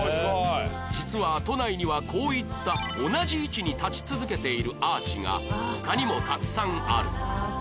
実は都内にはこういった同じ位置に立ち続けているアーチが他にもたくさんある